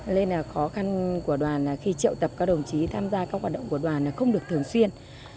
nên là khó khăn của đoàn là khi triệu tập các đồng chí tham gia các hoạt động của đoàn là không được thường xuyên